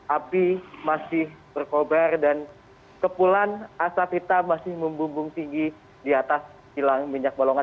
api masih berkobar dan kepulan asap hitam masih membumbung tinggi di atas kilang minyak balongan